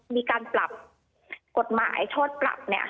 มีการปรับกฎหมายโทษปรับเนี่ย